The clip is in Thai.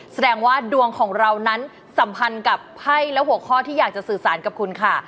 แสดงว่าดวงของเรานั้นสัมพันธ์กับไพ่และหัวข้อที่อยากจะสื่อสารกับคุณค่ะ